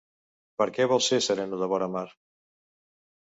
Perquè vol ser sereno de vora mar.